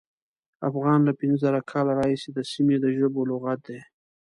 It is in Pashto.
افغان له پینځه زره کاله راهیسې د سیمې د ژبو لغت دی.